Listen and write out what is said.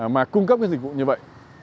mà cung cấp cái dịch vụ như vậy